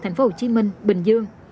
thành phố hồ chí minh bình dương